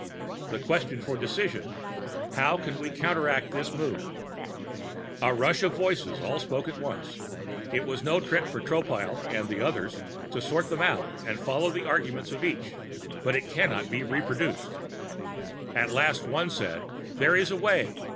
The question for decision: How can we counteract this move?" A rush of voices all spoke at once; it was no trick for Tropile and the others to sort them out and follow the arguments of each, but it cannot be reproduced. At last, one said: "There is a way.